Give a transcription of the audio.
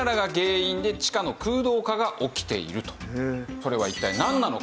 それは一体なんなのか？